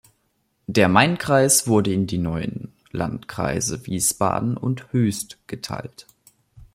Der Mainkreis wurde in die neuen Landkreise Wiesbaden und Höchst geteilt.